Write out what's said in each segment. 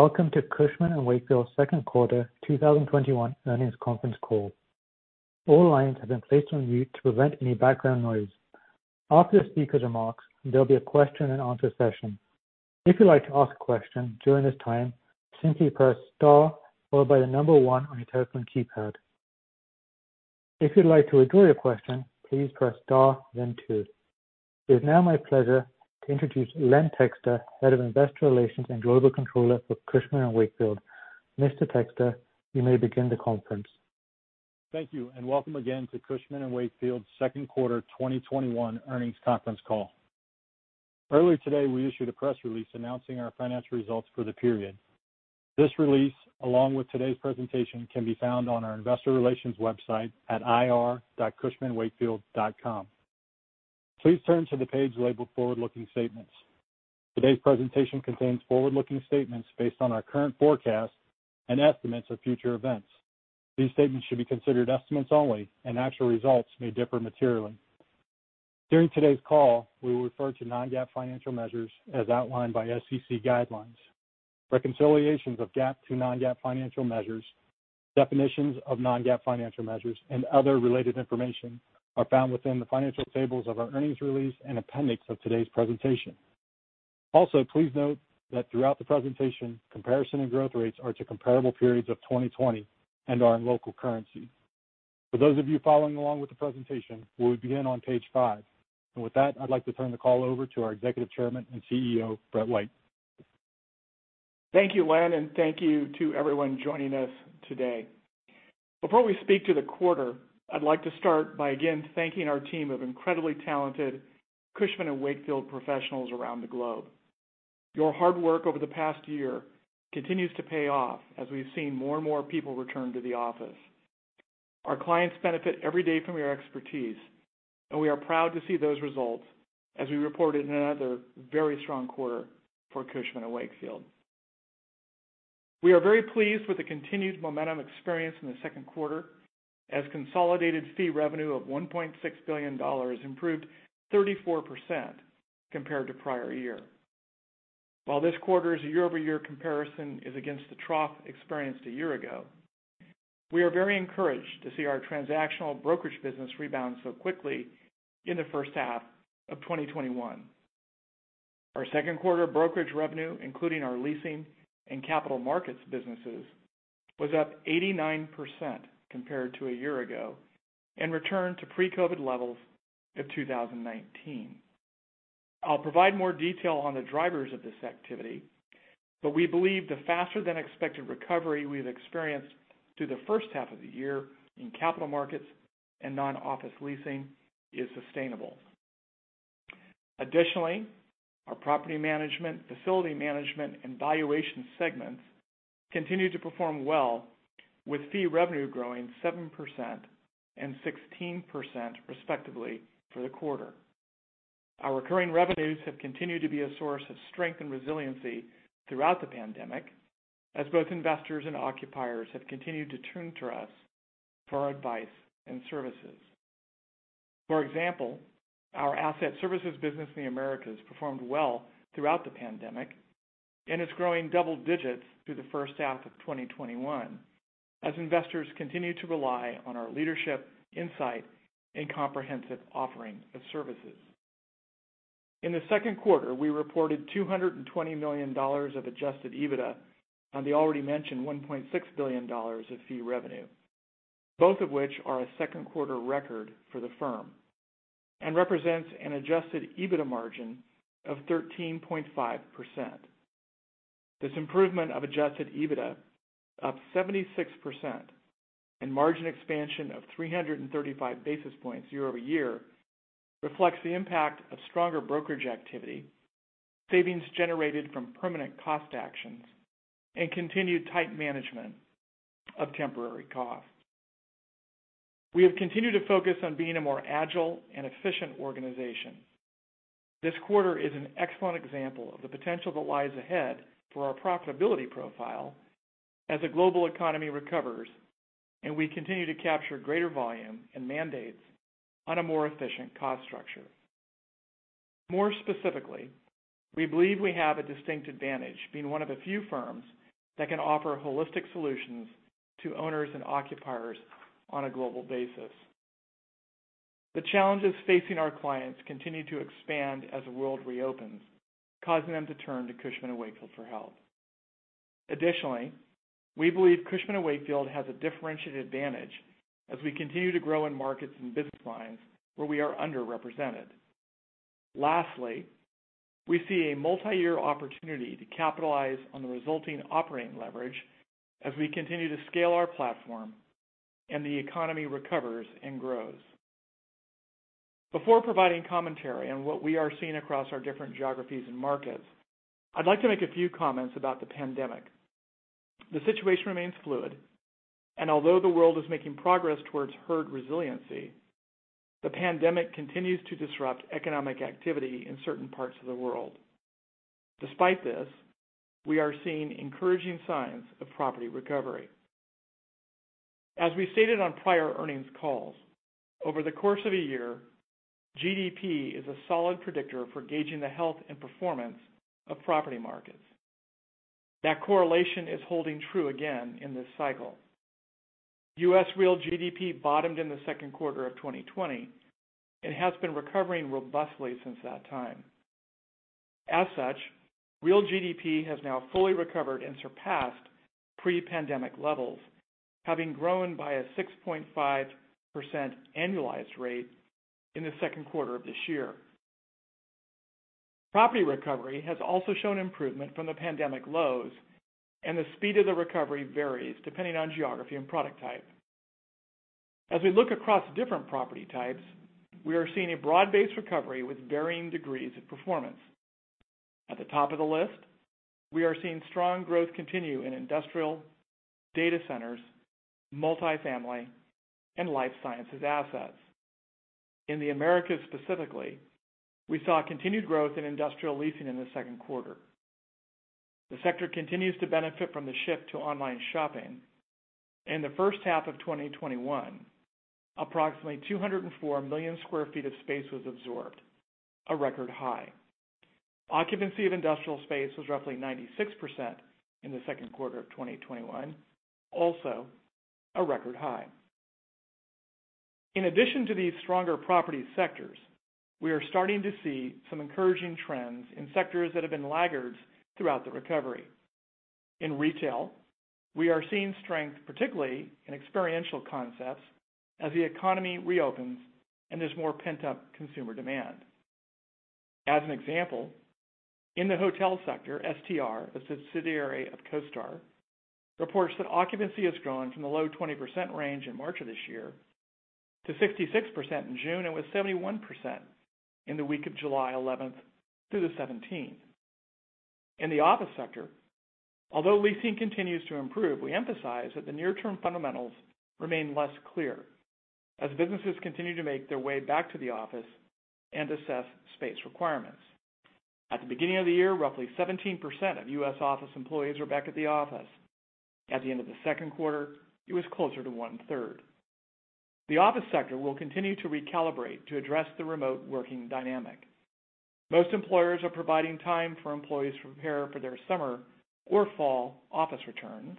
Welcome to Cushman & Wakefield second quarter 2021 earnings conference call. All lines have been placed on mute to prevent any background noise. After speaker's remarks, there'll be a question-and-answer session. If you like to ask a question during this time, simply press star followed by number one on your telephone keypad. If you'd like to withdraw a question, please press star then two. It is now my pleasure to introduce Len Texter, Head of Investor Relations and Global Controller for Cushman & Wakefield. Mr. Texter, you may begin the conference. Thank you, and welcome again to Cushman & Wakefield's second quarter 2021 earnings conference call. Earlier today, we issued a press release announcing our financial results for the period. This release, along with today's presentation, can be found on our investor relations website at ir.cushmanwakefield.com. Please turn to the page labeled forward looking statements. Today's presentation contains forward-looking statements based on our current forecasts and estimates of future events. These statements should be considered estimates only, and actual results may differ materially. During today's call, we will refer to non-GAAP financial measures as outlined by SEC guidelines. Reconciliations of GAAP to non-GAAP financial measures, definitions of non-GAAP financial measures, and other related information are found within the financial tables of our earnings release and appendix of today's presentation. Also, please note that throughout the presentation, comparison and growth rates are to comparable periods of 2020 and are in local currency. For those of you following along with the presentation, we'll begin on page five. With that, I'd like to turn the call over to our Executive Chairman and CEO, Brett White. Thank you, Len, and thank you to everyone joining us today. Before we speak to the quarter, I'd like to start by again thanking our team of incredibly talented Cushman & Wakefield professionals around the globe. Your hard work over the past year continues to pay off as we've seen more and more people return to the office. Our clients benefit every day from your expertise, and we are proud to see those results as we reported another very strong quarter for Cushman & Wakefield. We are very pleased with the continued momentum experienced in the second quarter as consolidated fee revenue of $1.6 billion improved 34% compared to prior year. While this quarter's year-over-year comparison is against the trough experienced a year ago, we are very encouraged to see our transactional brokerage business rebound so quickly in the first half of 2021. Our second quarter brokerage revenue, including our leasing and capital markets businesses, was up 89% compared to a year ago and returned to pre-COVID levels of 2019. I'll provide more detail on the drivers of this activity, but we believe the faster-than-expected recovery we've experienced through the first half of the year in capital markets and non-office leasing is sustainable. Additionally, our property management, facility management, and valuation segments continue to perform well, with fee revenue growing 7% and 16%, respectively, for the quarter. Our recurring revenues have continued to be a source of strength and resiliency throughout the pandemic, as both investors and occupiers have continued to turn to us for our advice and services. For example, our asset services business in the Americas performed well throughout the pandemic, and it's growing double digits through the first half of 2021, as investors continue to rely on our leadership, insight, and comprehensive offering of services. In the second quarter, we reported $220 million of adjusted EBITDA on the already mentioned $1.6 billion of fee revenue, both of which are a second quarter record for the firm and represents an adjusted EBITDA margin of 13.5%. This improvement of adjusted EBITDA, up 76%, and margin expansion of 335 basis points year-over-year reflects the impact of stronger brokerage activity, savings generated from permanent cost actions, and continued tight management of temporary costs. We have continued to focus on being a more agile and efficient organization. This quarter is an excellent example of the potential that lies ahead for our profitability profile as the global economy recovers and we continue to capture greater volume and mandates on a more efficient cost structure. More specifically, we believe we have a distinct advantage being one of the few firms that can offer holistic solutions to owners and occupiers on a global basis. The challenges facing our clients continue to expand as the world reopens, causing them to turn to Cushman & Wakefield for help. Additionally, we believe Cushman & Wakefield has a differentiated advantage as we continue to grow in markets and business lines where we are underrepresented. Lastly, we see a multi-year opportunity to capitalize on the resulting operating leverage as we continue to scale our platform and the economy recovers and grows. Before providing commentary on what we are seeing across our different geographies and markets, I'd like to make a few comments about the pandemic. The situation remains fluid, and although the world is making progress towards herd resiliency, the pandemic continues to disrupt economic activity in certain parts of the world. Despite this, we are seeing encouraging signs of property recovery. As we stated on prior earnings calls, over the course of a year, GDP is a solid predictor for gauging the health and performance of property markets. That correlation is holding true again in this cycle. U.S. real GDP bottomed in the second quarter of 2020 and has been recovering robustly since that time. Real GDP has now fully recovered and surpassed pre-pandemic levels, having grown by a 6.5% annualized rate in the second quarter of this year. Property recovery has also shown improvement from the pandemic lows, and the speed of the recovery varies depending on geography and product type. As we look across different property types, we are seeing a broad-based recovery with varying degrees of performance. At the top of the list, we are seeing strong growth continue in industrial data centers, multi-family, and life sciences assets. In the Americas specifically, we saw continued growth in industrial leasing in the second quarter. The sector continues to benefit from the shift to online shopping. In the first half of 2021, approximately 204 million sq ft of space was absorbed, a record high. Occupancy of industrial space was roughly 96% in the second quarter of 2021, also a record high. In addition to these stronger property sectors, we are starting to see some encouraging trends in sectors that have been laggards throughout the recovery. In retail, we are seeing strength, particularly in experiential concepts, as the economy reopens and there's more pent-up consumer demand. As an example, in the hotel sector, STR, a subsidiary of CoStar, reports that occupancy has grown from the low 20% range in March of this year to 66% in June, and was 71% in the week of July 11th through the 17th. In the office sector, although leasing continues to improve, we emphasize that the near-term fundamentals remain less clear as businesses continue to make their way back to the office and assess space requirements. At the beginning of the year, roughly 17% of U.S. office employees were back at the office. At the end of the second quarter, it was closer to one-third. The office sector will continue to recalibrate to address the remote working dynamic. Most employers are providing time for employees to prepare for their summer or fall office returns,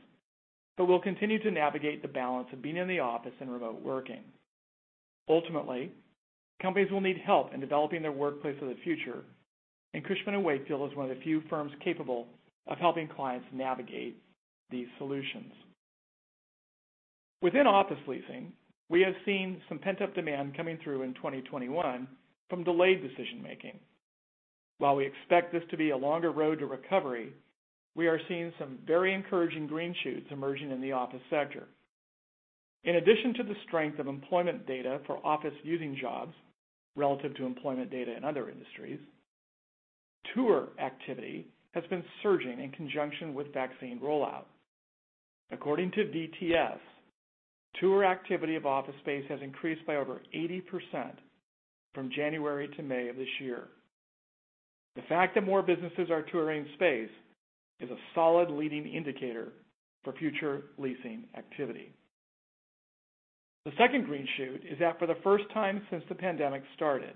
but will continue to navigate the balance of being in the office and remote working. Ultimately, companies will need help in developing their workplace of the future, and Cushman & Wakefield is one of the few firms capable of helping clients navigate these solutions. Within office leasing, we have seen some pent-up demand coming through in 2021 from delayed decision-making. While we expect this to be a longer road to recovery, we are seeing some very encouraging green shoots emerging in the office sector. In addition to the strength of employment data for office-using jobs relative to employment data in other industries, tour activity has been surging in conjunction with vaccine rollout. According to VTS, tour activity of office space has increased by over 80% from January to May of this year. The fact that more businesses are touring space is a solid leading indicator for future leasing activity. The second green shoot is that for the first time since the pandemic started,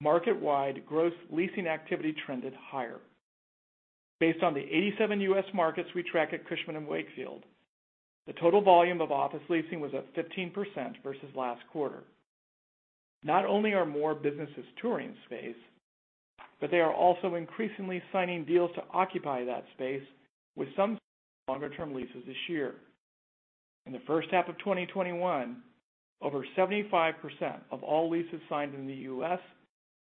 market-wide gross leasing activity trended higher. Based on the 87 U.S. markets we track at Cushman & Wakefield, the total volume of office leasing was up 15% versus last quarter. Not only are more businesses touring space, but they are also increasingly signing deals to occupy that space with some longer-term leases this year. In the first half of 2021, over 75% of all leases signed in the U.S.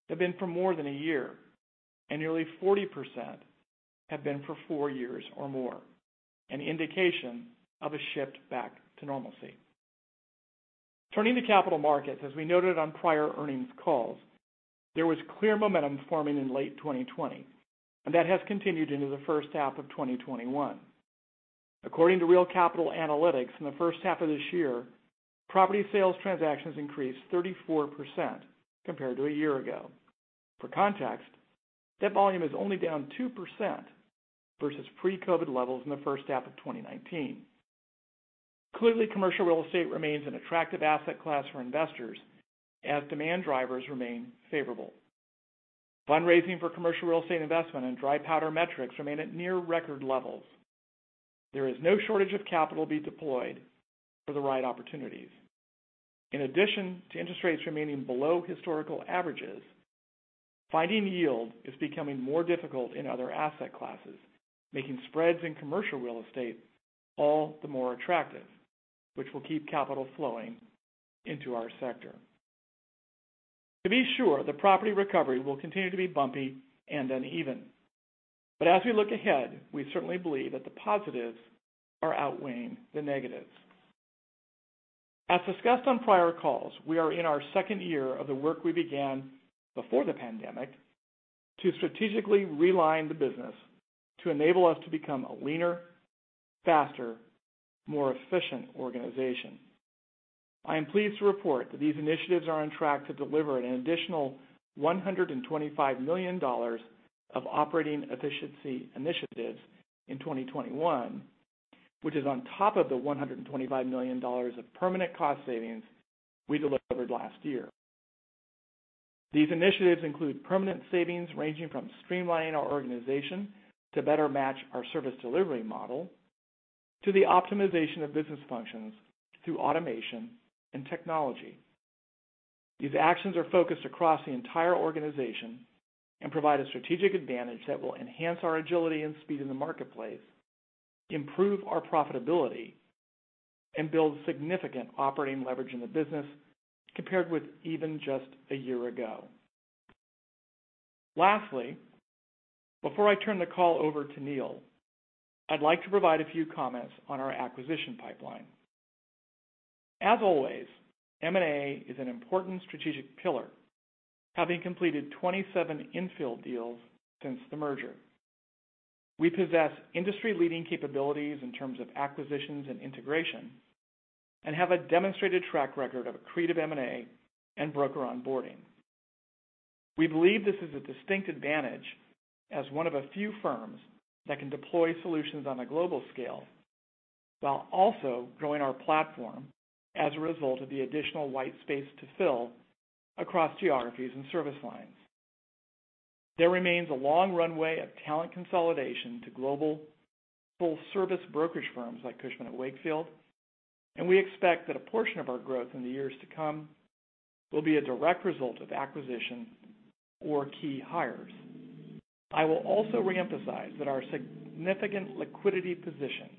have been for more than a year, and nearly 40% have been for four years or more, an indication of a shift back to normalcy. Turning to capital markets, as we noted on prior earnings calls, there was clear momentum forming in late 2020, and that has continued into the first half of 2021. According to Real Capital Analytics, in the first half of this year, property sales transactions increased 34% compared to a year ago. For context, that volume is only down 2% versus pre-COVID levels in the first half of 2019. Clearly, commercial real estate remains an attractive asset class for investors as demand drivers remain favorable. Fundraising for commercial real estate investment and dry powder metrics remain at near record levels. There is no shortage of capital to be deployed for the right opportunities. In addition to interest rates remaining below historical averages, finding yield is becoming more difficult in other asset classes, making spreads in commercial real estate all the more attractive, which will keep capital flowing into our sector. To be sure, the property recovery will continue to be bumpy and uneven. As we look ahead, we certainly believe that the positives are outweighing the negatives. As discussed on prior calls, we are in our second year of the work we began before the pandemic to strategically realign the business to enable us to become a leaner, faster, more efficient organization. I am pleased to report that these initiatives are on track to deliver an additional $125 million of operating efficiency initiatives in 2021, which is on top of the $125 million of permanent cost savings we delivered last year. These initiatives include permanent savings ranging from streamlining our organization to better match our service delivery model to the optimization of business functions through automation and technology. These actions are focused across the entire organization and provide a strategic advantage that will enhance our agility and speed in the marketplace, improve our profitability, and build significant operating leverage in the business compared with even just a year ago. Lastly, before I turn the call over to Neil, I'd like to provide a few comments on our acquisition pipeline. As always, M&A is an important strategic pillar, having completed 27 infill deals since the merger. We possess industry-leading capabilities in terms of acquisitions and integration and have a demonstrated track record of accretive M&A and broker onboarding. We believe this is a distinct advantage as one of a few firms that can deploy solutions on a global scale, while also growing our platform as a result of the additional white space to fill across geographies and service lines. There remains a long runway of talent consolidation to global full-service brokerage firms like Cushman & Wakefield. We expect that a portion of our growth in the years to come will be a direct result of acquisition or key hires. I will also reemphasize that our significant liquidity position,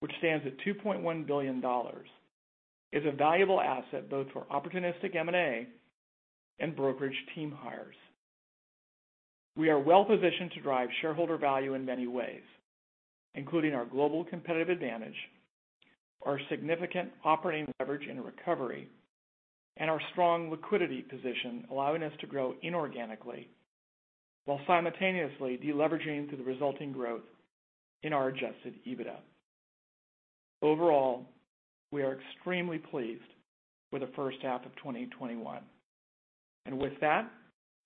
which stands at $2.1 billion, is a valuable asset both for opportunistic M&A and brokerage team hires. We are well-positioned to drive shareholder value in many ways, including our global competitive advantage, our significant operating leverage and recovery, and our strong liquidity position, allowing us to grow inorganically while simultaneously de-leveraging through the resulting growth in our adjusted EBITDA. Overall, we are extremely pleased with the first half of 2021. With that,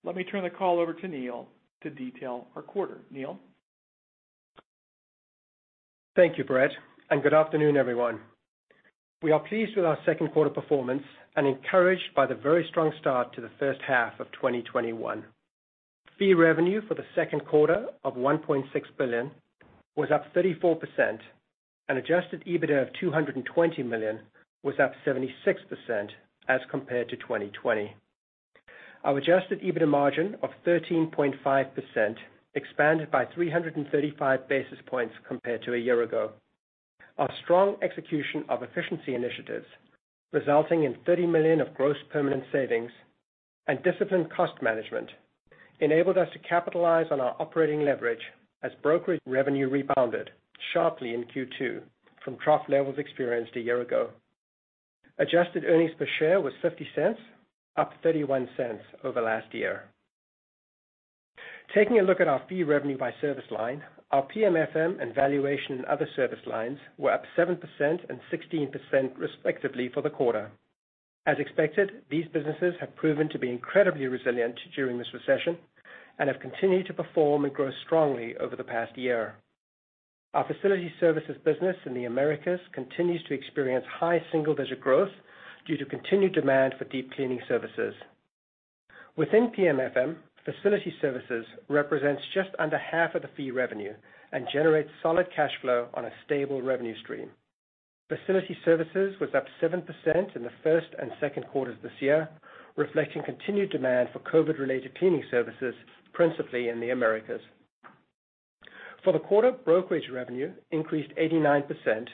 let me turn the call over to Neil to detail our quarter. Neil? Thank you, Brett, and good afternoon, everyone. We are pleased with our second-quarter performance and encouraged by the very strong start to the first half of 2021. Fee revenue for the second quarter of $1.6 billion was up 34%, and adjusted EBITDA of $220 million was up 76% as compared to 2020. Our adjusted EBITDA margin of 13.5% expanded by 335 basis points compared to a year ago. Our strong execution of efficiency initiatives, resulting in $30 million of gross permanent savings and disciplined cost management, enabled us to capitalize on our operating leverage as brokerage revenue rebounded sharply in Q2 from trough levels experienced a year ago. Adjusted earnings per share was $0.50, up $0.31 over last year. Taking a look at our fee revenue by service line, our PMFM and valuation and other service lines were up 7% and 16%, respectively, for the quarter. As expected, these businesses have proven to be incredibly resilient during this recession and have continued to perform and grow strongly over the past year. Our facility services business in the Americas continues to experience high single-digit growth due to continued demand for deep cleaning services. Within PMFM, facility services represents just under half of the fee revenue and generates solid cash flow on a stable revenue stream. Facility services was up 7% in the first and second quarters this year, reflecting continued demand for COVID-related cleaning services, principally in the Americas. For the quarter, brokerage revenue increased 89%,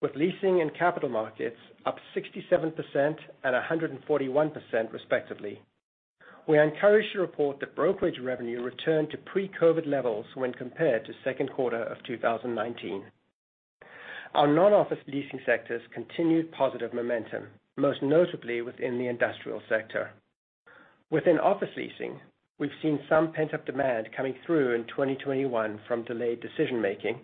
with leasing and capital markets up 67% and 141%, respectively. We are encouraged to report that brokerage revenue returned to pre-COVID levels when compared to second quarter of 2019. Our non-office leasing sectors continued positive momentum, most notably within the industrial sector. Within office leasing, we've seen some pent-up demand coming through in 2021 from delayed decision-making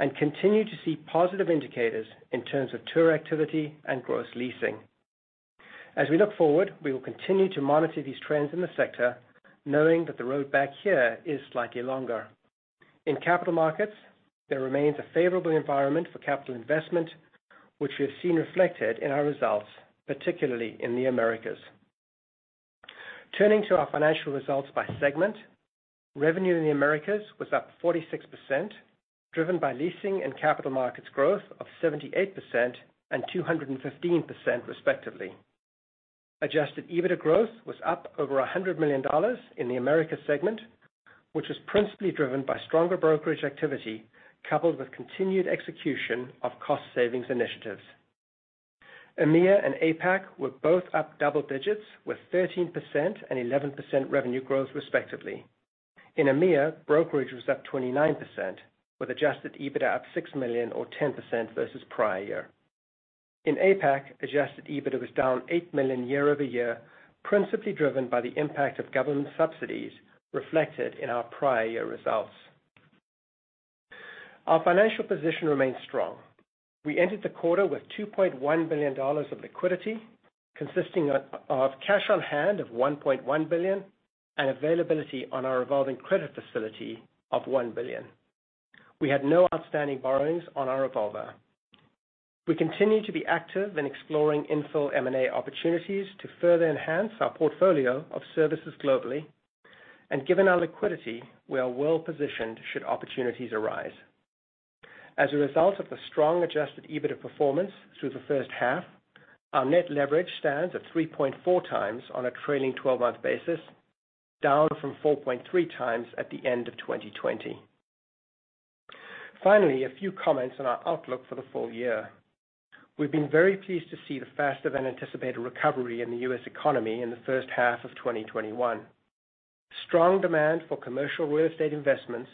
and continue to see positive indicators in terms of tour activity and gross leasing. As we look forward, we will continue to monitor these trends in the sector, knowing that the road back here is slightly longer. In capital markets, there remains a favorable environment for capital investment, which we have seen reflected in our results, particularly in the Americas. Turning to our financial results by segment, revenue in the Americas was up 46%, driven by leasing and capital markets growth of 78% and 215%, respectively. Adjusted EBITDA growth was up over $100 million in the Americas segment, which was principally driven by stronger brokerage activity, coupled with continued execution of cost savings initiatives. EMEA and APAC were both up double digits, with 13% and 11% revenue growth, respectively. In EMEA, brokerage was up 29%, with adjusted EBITDA up $6 million or 10% versus prior year. In APAC, adjusted EBITDA was down $8 million year-over-year, principally driven by the impact of government subsidies reflected in our prior year results. Our financial position remains strong. We entered the quarter with $2.1 billion of liquidity, consisting of cash on hand of $1.1 billion and availability on our revolving credit facility of $1 billion. We had no outstanding borrowings on our revolver. We continue to be active in exploring infill M&A opportunities to further enhance our portfolio of services globally. Given our liquidity, we are well-positioned should opportunities arise. As a result of the strong adjusted EBITDA performance through the first half, our net leverage stands at 3.4x on a trailing 12-month basis, down from 4.3x at the end of 2020. A few comments on our outlook for the full year. We've been very pleased to see the faster-than-anticipated recovery in the U.S. economy in the first half of 2021. Strong demand for commercial real estate investments,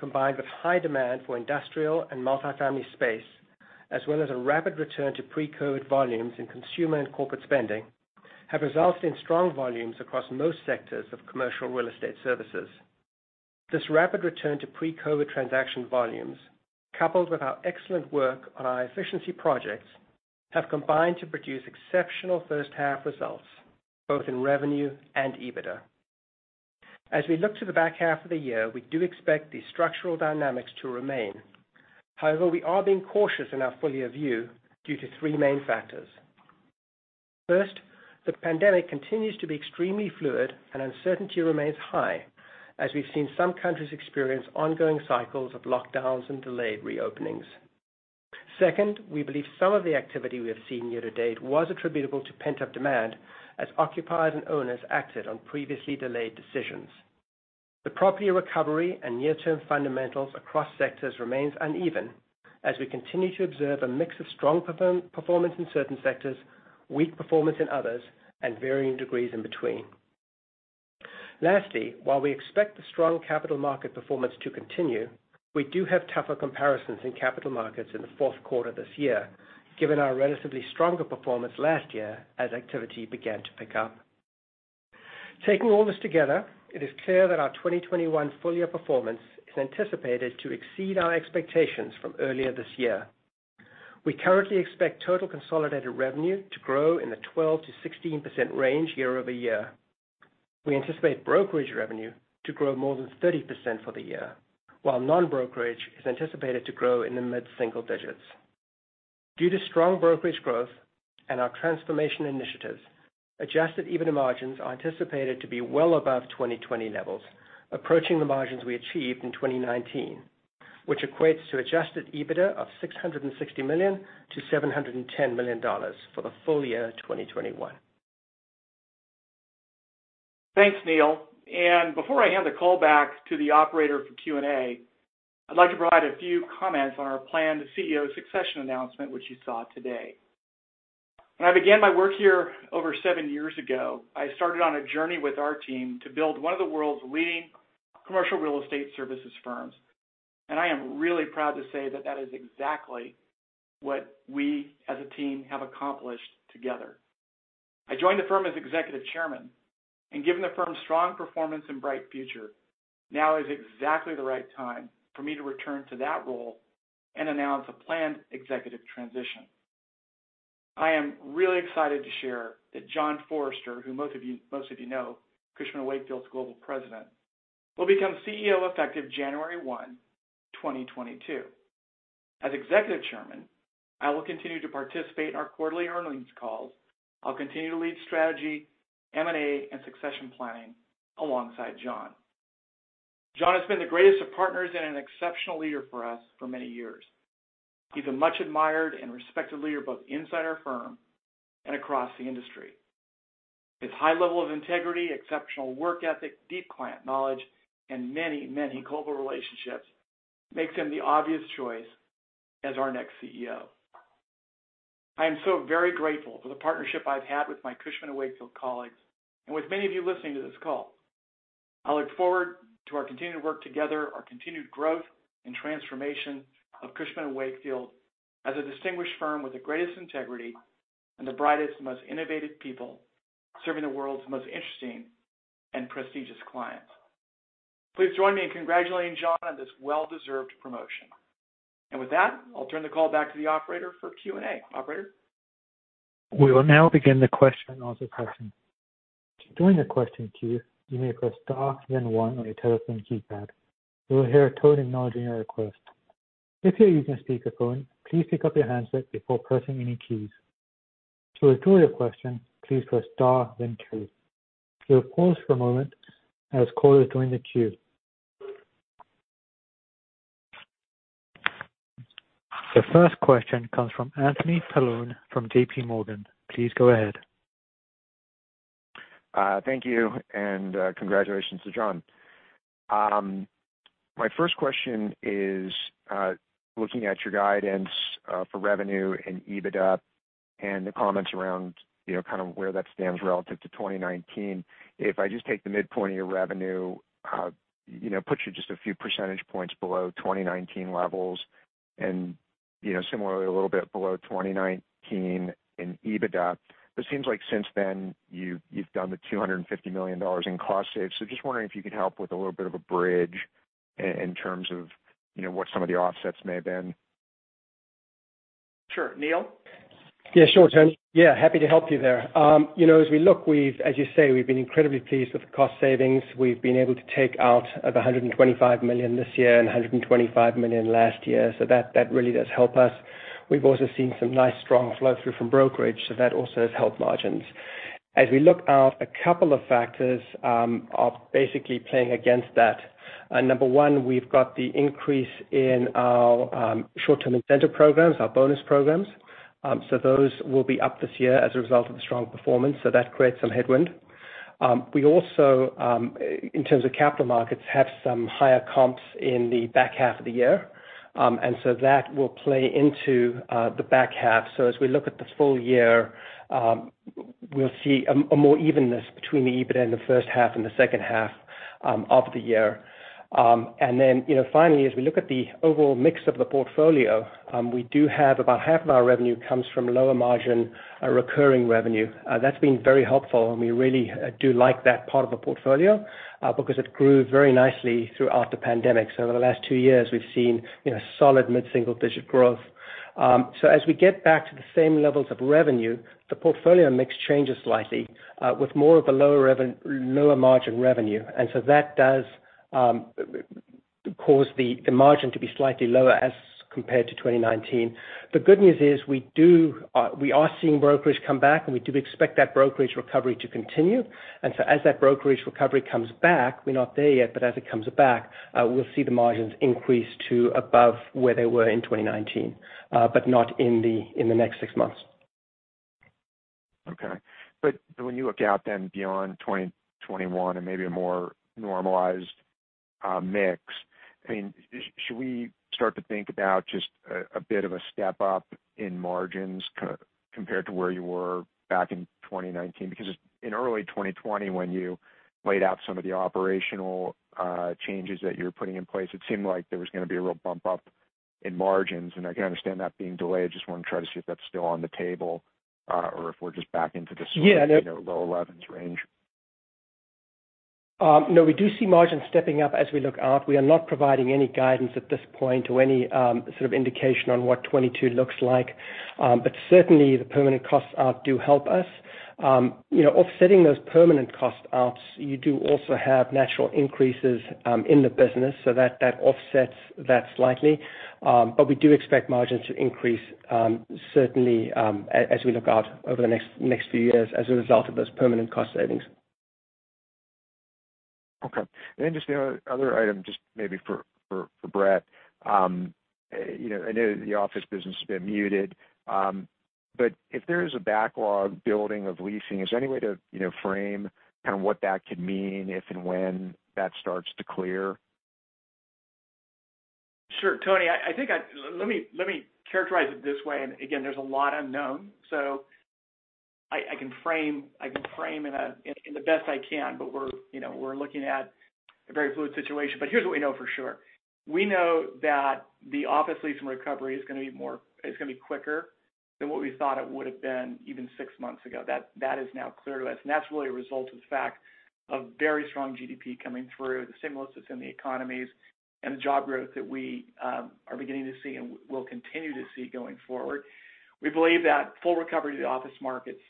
combined with high demand for industrial and multi-family space, as well as a rapid return to pre-COVID volumes in consumer and corporate spending, have resulted in strong volumes across most sectors of commercial real estate services. This rapid return to pre-COVID transaction volumes, coupled with our excellent work on our efficiency projects, have combined to produce exceptional first-half results, both in revenue and EBITDA. We look to the back half of the year, we do expect these structural dynamics to remain. We are being cautious in our full-year view due to three main factors. First, the pandemic continues to be extremely fluid, and uncertainty remains high, as we've seen some countries experience ongoing cycles of lockdowns and delayed reopenings. Second, we believe some of the activity we have seen year-to-date was attributable to pent-up demand, as occupiers and owners acted on previously delayed decisions. The property recovery and near-term fundamentals across sectors remains uneven as we continue to observe a mix of strong performance in certain sectors, weak performance in others, and varying degrees in between. Lastly, while we expect the strong capital markets performance to continue, we do have tougher comparisons in capital markets in the fourth quarter this year, given our relatively stronger performance last year as activity began to pick up. Taking all this together, it is clear that our 2021 full-year performance is anticipated to exceed our expectations from earlier this year. We currently expect total consolidated revenue to grow in the 12%-16% range year-over-year. We anticipate brokerage revenue to grow more than 30% for the year, while non-brokerage is anticipated to grow in the mid-single digits. Due to strong brokerage growth and our transformation initiatives, adjusted EBITDA margins are anticipated to be well above 2020 levels, approaching the margins we achieved in 2019, which equates to adjusted EBITDA of $660 million-$710 million for the full year 2021. Thanks, Neil. Before I hand the call back to the operator for Q&A, I'd like to provide a few comments on our planned CEO succession announcement, which you saw today. When I began my work here over seven years ago, I started on a journey with our team to build 1 of the world's leading commercial real estate services firms. I am really proud to say that that is exactly what we as a team have accomplished together. I joined the firm as Executive Chairman, and given the firm's strong performance and bright future, now is exactly the right time for me to return to that role and announce a planned executive transition. I am really excited to share that John Forrester, who most of you know, Cushman & Wakefield's Global President, will become CEO effective January 1, 2022. As Executive Chairman, I will continue to participate in our quarterly earnings calls. I'll continue to lead strategy, M&A, and succession planning alongside John. John has been the greatest of partners and an exceptional leader for us for many years. He's a much-admired and respected leader, both inside our firm and across the industry. His high level of integrity, exceptional work ethic, deep client knowledge, and many, many global relationships makes him the obvious choice as our next CEO. I am so very grateful for the partnership I've had with my Cushman & Wakefield colleagues and with many of you listening to this call. I look forward to our continued work together, our continued growth, and transformation of Cushman & Wakefield as a distinguished firm with the greatest integrity and the brightest, most innovative people serving the world's most interesting and prestigious clients. Please join me in congratulating John on this well-deserved promotion. With that, I'll turn the call back to the operator for Q&A. Operator? We will now begin the question and answer session. We will pause for a moment as callers join the queue. The first question comes from Anthony Paolone from JPMorgan. Please go ahead. Thank you. Congratulations to John. My first question is, looking at your guidance for revenue and EBITDA and the comments around kind of where that stands relative to 2019, if I just take the midpoint of your revenue, puts you just a few percentage points below 2019 levels. Similarly, a little bit below 2019 in EBITDA. It seems like since then, you've done the $250 million in cost saves. Just wondering if you could help with a little bit of a bridge in terms of what some of the offsets may have been. Sure. Neil? Sure, Tony. Happy to help you there. As we look, as you say, we've been incredibly pleased with the cost savings. We've been able to take out $125 million this year and $125 million last year. That really does help us. We've also seen some nice, strong flow-through from brokerage. That also has helped margins. As we look out, a couple of factors are basically playing against that. Number one, we've got the increase in our short-term incentive programs, our bonus programs. Those will be up this year as a result of the strong performance. That creates some headwind. We also, in terms of capital markets, have some higher comps in the back half of the year. That will play into the back half. As we look at the full year, we'll see a more evenness between the EBITDA in the first half and the second half of the year. Finally, as we look at the overall mix of the portfolio, we do have about half of our revenue comes from lower margin recurring revenue. That's been very helpful, and we really do like that part of the portfolio because it grew very nicely throughout the pandemic. Over the last two years, we've seen solid mid-single-digit growth. As we get back to the same levels of revenue, the portfolio mix changes slightly with more of the lower margin revenue. That does cause the margin to be slightly lower as compared to 2019. The good news is we are seeing brokerage come back, and we do expect that brokerage recovery to continue. As that brokerage recovery comes back, we're not there yet, but as it comes back, we'll see the margins increase to above where they were in 2019 but not in the next six months. Okay. When you look out then beyond 2021 and maybe a more normalized mix, should we start to think about just a bit of a step up in margins compared to where you were back in 2019? In early 2020, when you laid out some of the operational changes that you were putting in place, it seemed like there was going to be a real bump up in margins, and I can understand that being delayed. I just want to try to see if that's still on the table or if we're just back into this. Yeah, no Low 11s range. No, we do see margins stepping up as we look out. We are not providing any guidance at this point or any sort of indication on what 2022 looks like. Certainly, the permanent costs out do help us. Offsetting those permanent cost outs, you do also have natural increases in the business so that offsets that slightly. We do expect margins to increase certainly as we look out over the next few years as a result of those permanent cost savings. Okay. Just the other item, just maybe for Brett. I know the office business has been muted. If there is a backlog building of leasing, is there any way to frame kind of what that could mean if and when that starts to clear? Sure, Anthony. Let me characterize it this way, again, there's a lot unknown. I can frame in the best I can; we're looking at a very fluid situation. Here's what we know for sure. We know that the office leasing recovery is going to be quicker than what we thought it would have been even six months ago. That is now clear to us, that's really a result of the fact of very strong GDP coming through the stimulus that's in the economies and the job growth that we are beginning to see and will continue to see going forward. We believe that full recovery of the office markets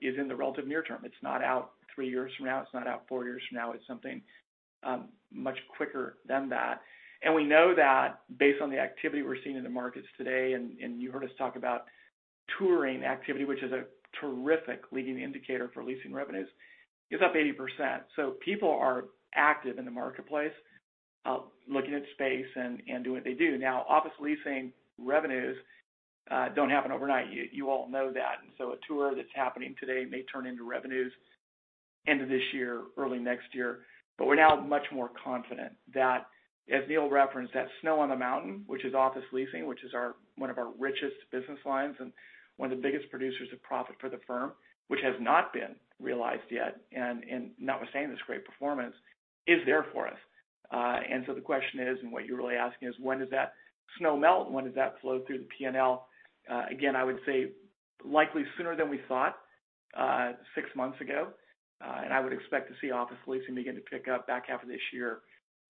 is in the relative near term. It's not out three years from now. It's not out four years from now. It's something much quicker than that. We know that based on the activity we're seeing in the markets today, and you heard us talk about touring activity, which is a terrific leading indicator for leasing revenues, is up 80%. People are active in the marketplace, looking at space and doing what they do. Office leasing revenues don't happen overnight. You all know that. A tour that's happening today may turn into revenues end of this year, early next year. We're now much more confident that, as Neil referenced, that snow on the mountain, which is office leasing, which is one of our richest business lines and one of the biggest producers of profit for the firm, which has not been realized yet, and notwithstanding this great performance, is there for us. The question is, and what you're really asking is, when does that snow melt and when does that flow through the P&L? Again, I would say likely sooner than we thought six months ago. I would expect to see office leasing begin to pick up back half of this year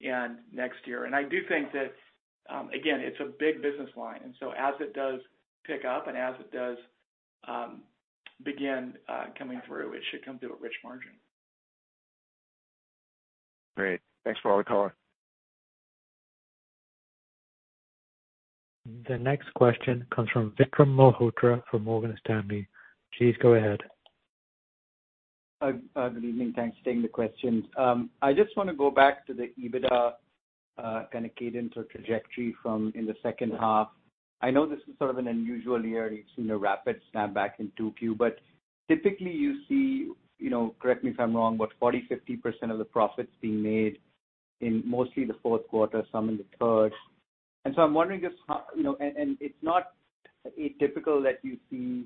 and next year. I do think that again, it's a big business line. As it does pick up and as it does begin coming through, it should come through at rich margin. Great. Thanks for all the color. The next question comes from Vikram Malhotra from Morgan Stanley. Please go ahead. Good evening. Thanks for taking the questions. I just want to go back to the EBITDA kind of cadence or trajectory from in the second half. I know this is sort of an unusual year. You've seen a rapid snapback in 2Q, but typically you see, correct me if I'm wrong, but 40%, 50% of the profits being made in mostly the fourth quarter, some in the third. It's typical that you see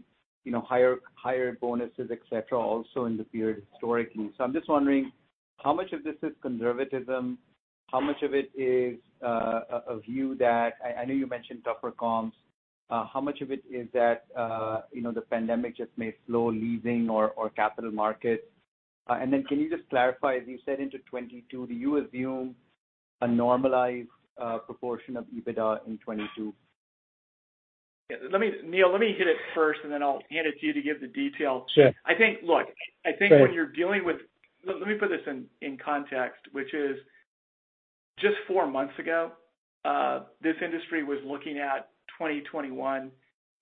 higher bonuses, et cetera, also in the period historically. I'm just wondering how much of this is conservatism? How much of it is a view? I know you mentioned tougher comps. How much of it is that the pandemic just may slow leasing or capital markets? Can you just clarify, as you said, into 2022, do you assume a normalized proportion of EBITDA in 2022? Yeah. Neil, let me hit it first, and then I'll hand it to you to give the detail. Sure. Look, I think, let me put this in context, which is just four months ago, this industry was looking at 2021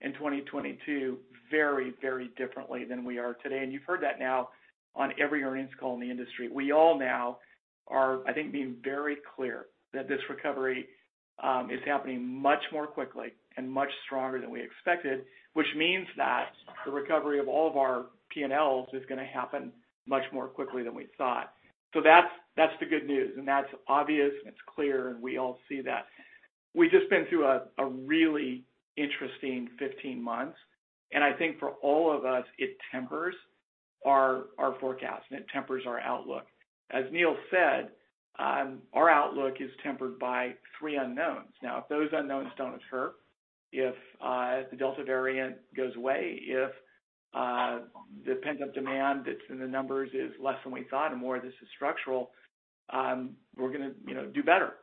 and 2022 very differently than we are today. You've heard that now on every earnings call in the industry. We all now are, I think, being very clear that this recovery is happening much more quickly and much stronger than we expected, which means that the recovery of all of our P&Ls is going to happen much more quickly than we thought. That's the good news, and that's obvious, and it's clear, and we all see that. We've just been through a really interesting 15 months, and I think for all of us, it tempers our forecast and it tempers our outlook. As Neil said, our outlook is tempered by three unknowns. Now, if those unknowns don't occur, if the Delta variant goes away, if the pent-up demand that's in the numbers is less than we thought and more of this is structural, we're going to do better.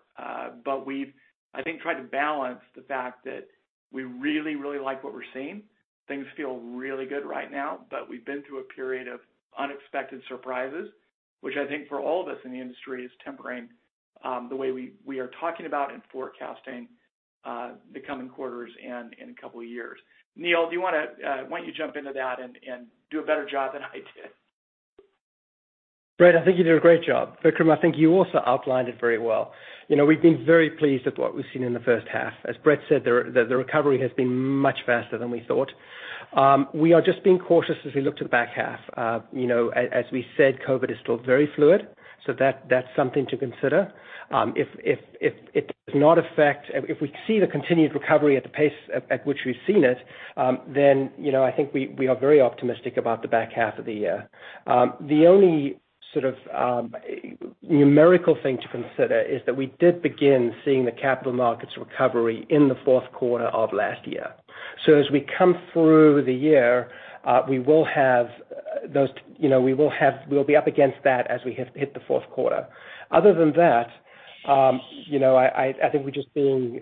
We've, I think, tried to balance the fact that we really like what we're seeing. Things feel really good right now, but we've been through a period of unexpected surprises, which I think for all of us in the industry is tempering the way we are talking about and forecasting the coming quarters and in a couple of years. Neil, why don't you jump into that and do a better job than I did? Brett, I think you did a great job. Vikram, I think you also outlined it very well. We've been very pleased with what we've seen in the first half. As Brett said, the recovery has been much faster than we thought. We are just being cautious as we look to the back half. As we said, COVID is still very fluid, so that's something to consider. If we see the continued recovery at the pace at which we've seen it, then I think we are very optimistic about the back half of the year. The only sort of numerical thing to consider is that we did begin seeing the capital markets recovery in the fourth quarter of last year. As we come through the year, we'll be up against that as we hit the fourth quarter. Other than that, I think we're just being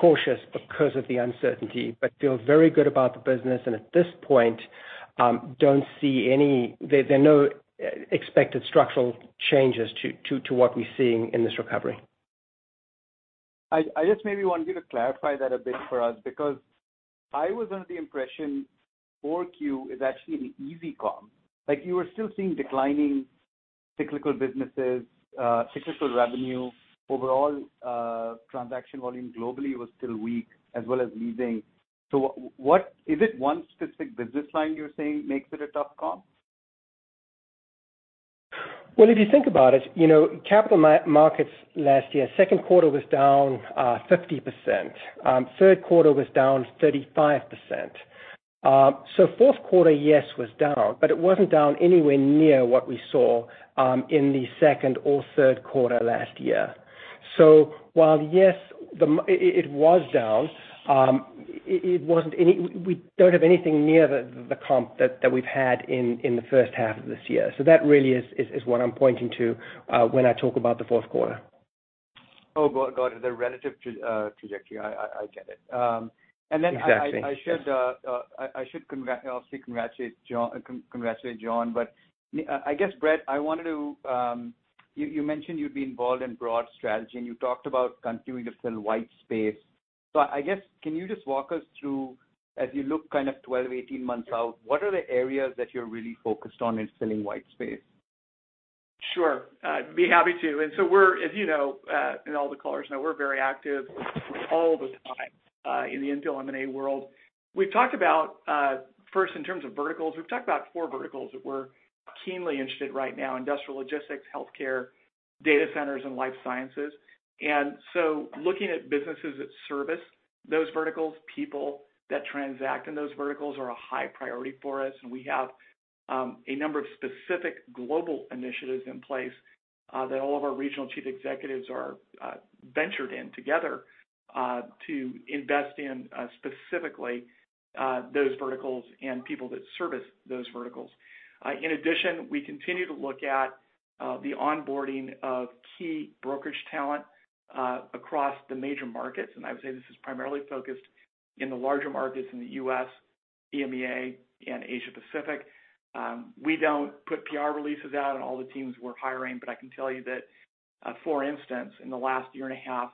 cautious because of the uncertainty, but feel very good about the business, and at this point, there are no expected structural changes to what we're seeing in this recovery. I just maybe wanted you to clarify that a bit for us because I was under the impression 4Q is actually an easy comp. Like, you were still seeing declining cyclical businesses, cyclical revenue. Overall transaction volume globally was still weak, as well as leasing. Is it one specific business line you're saying makes it a tough comp? Well, if you think about it, capital markets last year, second quarter was down 50%, third quarter was down 35%. Fourth quarter, yes, was down, but it wasn't down anywhere near what we saw in the second or third quarter last year. While yes, it was down, we don't have anything near the comp that we've had in the first half of this year. That really is what I'm pointing to when I talk about the fourth quarter. Oh, got it. The relative trajectory. I get it. Exactly. I should obviously congratulate John. I guess, Brett, you mentioned you'd be involved in broad strategy, and you talked about continuing to fill white space. I guess can you just walk us through, as you look kind of 12, 18 months out, what are the areas that you're really focused on in filling white space? Sure. I'd be happy to. As you know, and all the callers know, we're very active all the time in the M&A world. First, in terms of verticals, we've talked about four verticals that we're keenly interested right now. Industrial logistics, healthcare, data centers, and life sciences. Looking at businesses that service those verticals, people that transact in those verticals are a high priority for us, and we have a number of specific global initiatives in place that all of our regional chief executives are ventured in together to invest in specifically those verticals and people that service those verticals. In addition, we continue to look at the onboarding of key brokerage talent across the major markets, and I would say this is primarily focused in the larger markets in the U.S., EMEA, and Asia-Pacific. We don't put PR releases out on all the teams we're hiring. I can tell you that, for instance, in the last year and a half,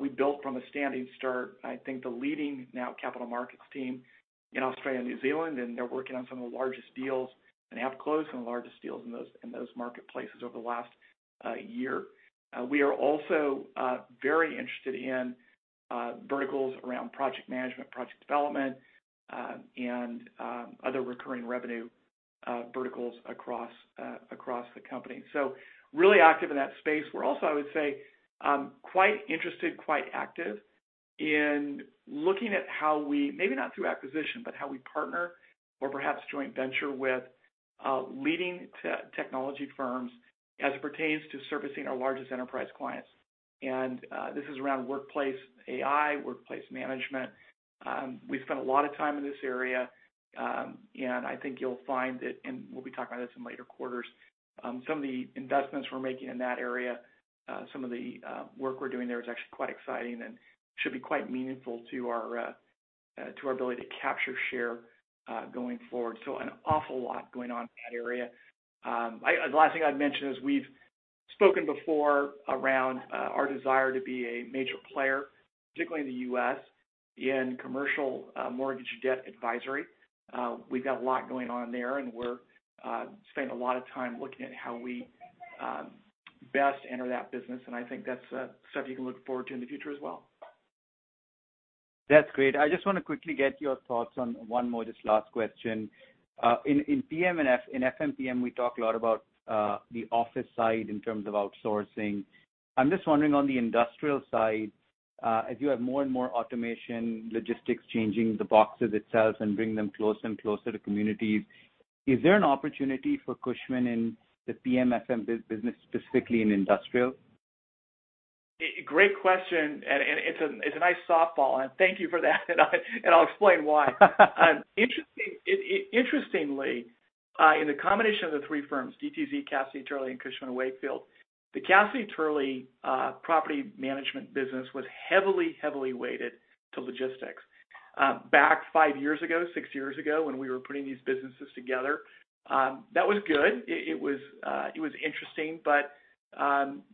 we built from a standing start, I think the leading now capital markets team in Australia and New Zealand, and they're working on some of the largest deals and have closed some of the largest deals in those marketplaces over the last year. We are also very interested in verticals around project management, project development and other recurring revenue verticals across the company. Really active in that space. We're also, I would say, quite interested, quite active in looking at how we, maybe not through acquisition, but how we partner or perhaps joint venture with leading technology firms as it pertains to servicing our largest enterprise clients. This is around workplace AI, workplace management. We've spent a lot of time in this area, and I think you'll find that, and we'll be talking about this in later quarters, some of the investments we're making in that area, some of the work we're doing there is actually quite exciting and should be quite meaningful to our ability to capture share going forward. An awful lot going on in that area. The last thing I'd mention is we've spoken before around our desire to be a major player, particularly in the U.S., in commercial mortgage debt advisory. We've got a lot going on there, and we're spending a lot of time looking at how we best enter that business, and I think that's stuff you can look forward to in the future as well. That's great. I just want to quickly get your thoughts on one more, just last question. In PMFM, we talk a lot about the office side in terms of outsourcing. I'm just wondering on the industrial side, as you have more and more automation, logistics, changing the boxes itself and bringing them closer and closer to communities, is there an opportunity for Cushman in the PMFM business, specifically in industrial? Great question. It's a nice softball. Thank you for that. I'll explain why. Interestingly, in the combination of the three firms, DTZ, Cassidy Turley, and Cushman & Wakefield, the Cassidy Turley property management business was heavily weighted to logistics. Back five years ago, six years ago, when we were putting these businesses together, that was good, it was interesting, but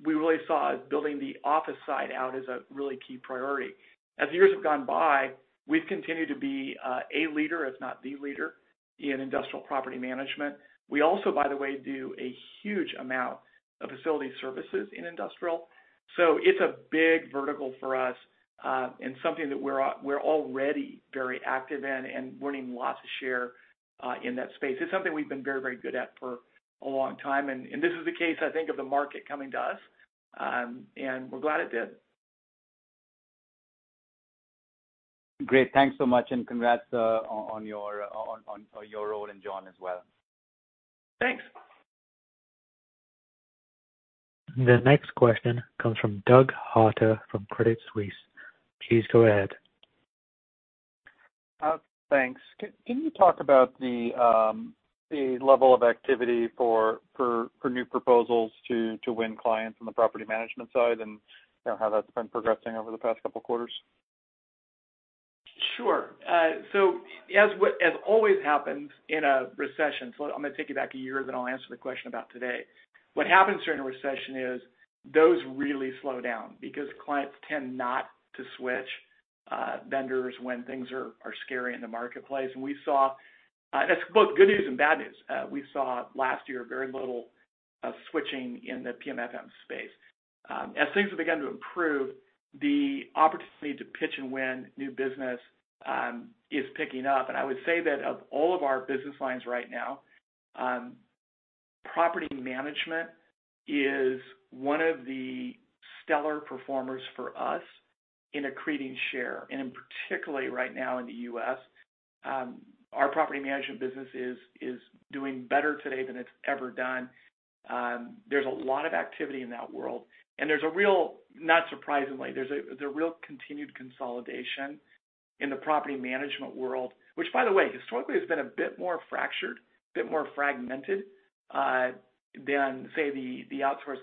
we really saw building the office side out as a really key priority. As the years have gone by, we've continued to be a leader, if not the leader, in industrial property management. We also, by the way, do a huge amount of facility services in industrial. It's a big vertical for us, and something that we're already very active in and winning lots of share in that space. It's something we've been very, very good at for a long time, and this is the case, I think, of the market coming to us, and we're glad it did. Great. Thanks so much, and congrats on your role, and John as well. Thanks. The next question comes from Doug Harter from Credit Suisse. Please go ahead. Thanks. Can you talk about the level of activity for new proposals to win clients on the property management side, and how that's been progressing over the past couple of quarters? Sure. As what has always happens in a recession, so I'm going to take you back a year, then I'll answer the question about today. What happens during a recession is those really slow down because clients tend not to switch vendors when things are scary in the marketplace, and That's both good news and bad news. We saw last year very little switching in the PMFM space. As things have begun to improve, the opportunity to pitch and win new business is picking up, and I would say that of all of our business lines right now, property management is one of the stellar performers for us in accreting share. In particularly right now in the U.S., our property management business is doing better today than it's ever done. There's a lot of activity in that world; there's a real, not surprisingly, there's a real continued consolidation in the property management. Which, by the way, historically has been a bit more fractured, a bit more fragmented, than, say, the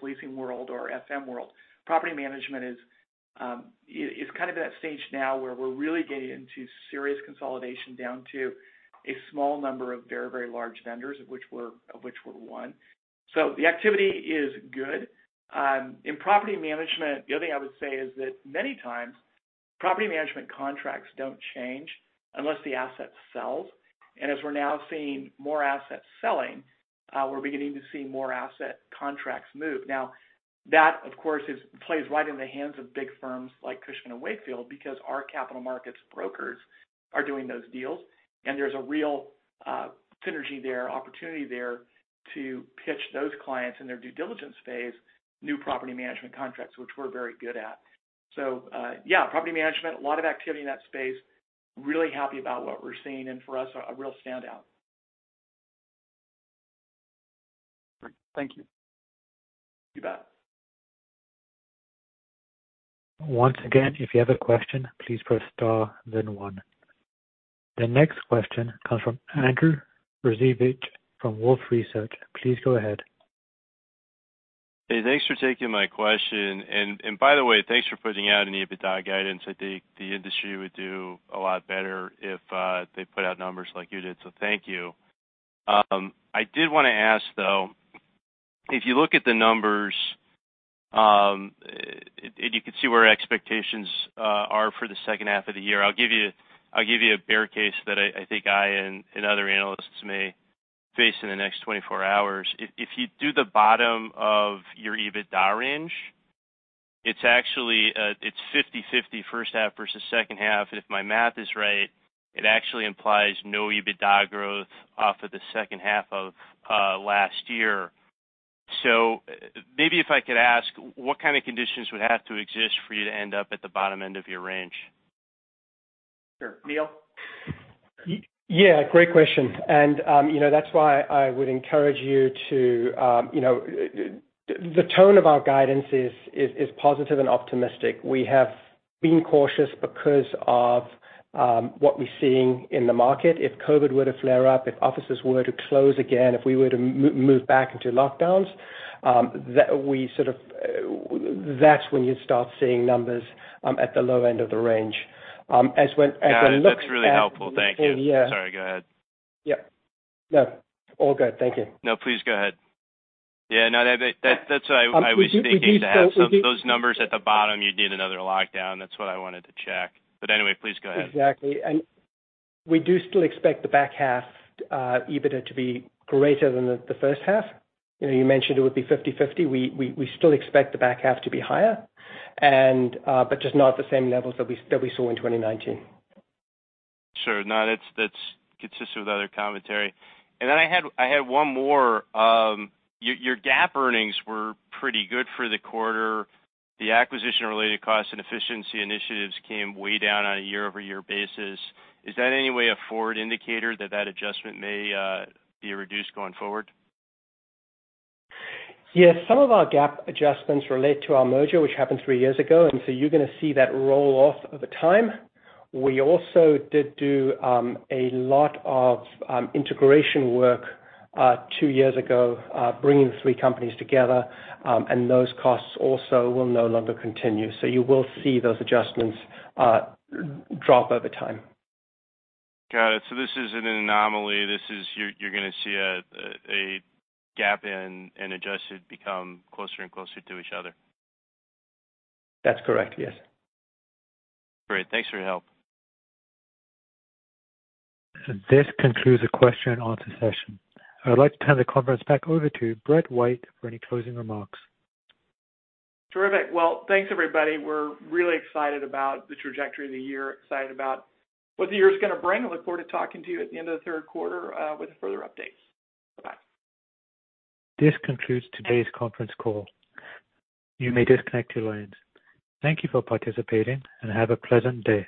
leasing or FM. Property management is kind of in that stage now where we're really getting into serious consolidation down to a small number of very, very large vendors, of which we're one. The activity is good. In property management, the other thing I would say is that many times, property management contracts don't change unless the asset sells. As we're now seeing more assets selling, we're beginning to see more asset contracts move. That, of course, plays right in the hands of big firms like Cushman & Wakefield because our capital markets brokers are doing those deals, and there's a real synergy there, opportunity there to pitch those clients in their due diligence phase, new property management contracts, which we're very good at. Yeah, property management, a lot of activity in that space. Really happy about what we're seeing, for us, a real standout. Great. Thank you. You bet. Once again, if you have a question, please press star then one. The next question comes from Andrew Rosivach from Wolfe Research. Please go ahead. Hey, thanks for taking my question. By the way, thanks for putting out an EBITDA guidance. I think the industry would do a lot better if they put out numbers like you did. Thank you. I did want to ask, though, if you look at the numbers, and you could see where expectations are for the second half of the year, I'll give you a bare case that I think I and other analysts may face in the next 24 hours. If you do the bottom of your EBITDA range. It's actually 50/50 first half versus second half, and if my math is right, it actually implies no EBITDA growth off the second half of last year. Maybe if I could ask, what kind of conditions would have to exist for you to end up at the bottom end of your range? Sure. Neil? Yeah, great question. That's why I would encourage you. The tone of our guidance is positive and optimistic. We have been cautious because of what we're seeing in the market. If COVID were to flare up, if offices were to close again, if we were to move back into lockdowns, that's when you'd start seeing numbers at the low end of the range. Got it. That's really helpful. Thank you. Yeah. Sorry, go ahead. Yeah. No. All good. Thank you. No, please go ahead. Yeah, no, that's what I was thinking, to have those numbers at the bottom, you'd need another lockdown. That's what I wanted to check. Anyway, please go ahead. Exactly. We do still expect the back-half EBITDA to be greater than the first half. You mentioned it would be 50/50. We still expect the back half to be higher, but just not the same levels that we saw in 2019. Sure. No, that's consistent with other commentary. I had one more. Your GAAP earnings were pretty good for the quarter. The acquisition-related costs and efficiency initiatives came way down on a year-over-year basis. Is that anyway a forward indicator that that adjustment may be reduced going forward? Yes, some of our GAAP adjustments relate to our merger, which happened three years ago, and so you're going to see that roll off over time. We also did do a lot of integration work two years ago, bringing the three companies together, and those costs also will no longer continue. You will see those adjustments drop over time. Got it. This isn't an anomaly. You're going to see a GAAP and adjusted become closer and closer to each other. That's correct, yes. Great. Thanks for your help. This concludes the question-and-answer session. I would like to turn the conference back over to Brett White for any closing remarks. Terrific. Well, thanks, everybody. We're really excited about the trajectory of the year, excited about what the year is going to bring. I look forward to talking to you at the end of the third quarter with further updates. Bye. This concludes today's conference call. You may disconnect your lines. Thank you for participating, and have a pleasant day.